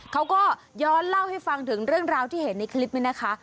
เขาก็ย้อนเล่าให้ฟังถึงเรื่องราวที่เห็นในคลิปนี้นะคะ